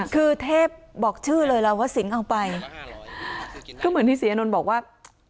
คือเทพบอกชื่อเลยล่ะว่าสิงห์เอาไปคือเหมือนที่ศรีอานนท์บอกว่า